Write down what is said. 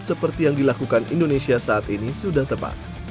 seperti yang dilakukan indonesia saat ini sudah tepat